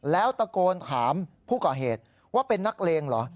แล้วตะโกนถามผู้ก่อเหตุว่าเป็นนักเลงเหรอ